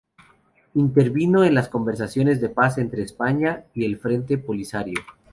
Intervino en las conversaciones de paz entre España y el Frente Polisario.